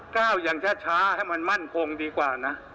ก้าวอย่างช้าให้มันมั่นคงดีกว่านะ